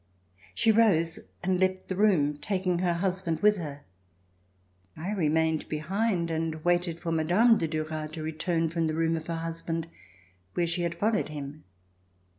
She rose and left the room taking her husband with her. I remained behind and waited for Mme. de Duras to return from the room of her husband where she had fol lowed him.